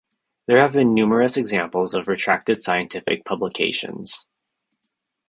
There have been numerous examples of retracted scientific publications.